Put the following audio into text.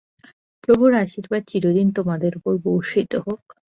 প্রভুর আশীর্বাদ চিরদিন তোমাদের উপর বর্ষিত হোক।